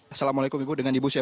assalamualaikum ibu dengan ibu chef